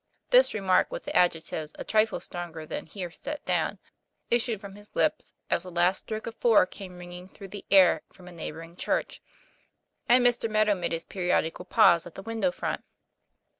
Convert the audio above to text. " This remark, with the adjectives a trifle stronger than here set down, issued from his lips as the last stroke of four came ringing through the air from a neigh boring church, and Mr. Meadow made his periodical pause at the window front.